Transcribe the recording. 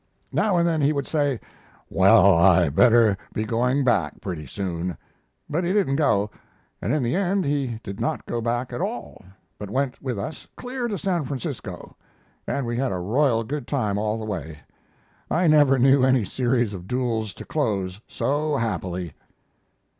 Now and then he would say, "Well, I had better be going back pretty soon," but he didn't go, and in the end he did not go back at all, but went with us clear to San Francisco, and we had a royal good time all the way. I never knew any series of duels to close so happily.